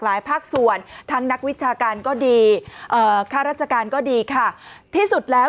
ภาคส่วนทั้งนักวิชาการก็ดีเอ่อค่าราชการก็ดีค่ะที่สุดแล้ว